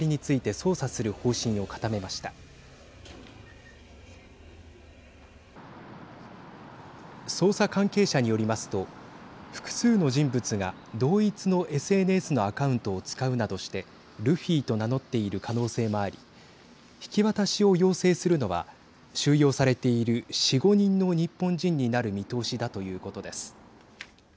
捜査関係者によりますと複数の人物が同一のＳＮＳのアカウントを使うなどしてルフィと名乗っている可能性もあり引き渡しを要請するのは収容されている４、５人の日本人になる見通しだということです。